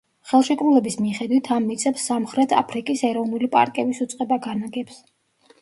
ხელშეკრულების მიხედვით ამ მიწებს სამხრეტ აფრიკის ეროვნული პარკების უწყება განაგებს.